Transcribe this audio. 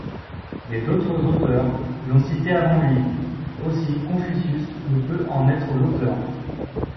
Mais d'autres auteurs l'ont cité avant lui, aussi Confucius ne peut en être l'auteur.